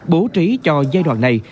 bố trí cho giai đoạn này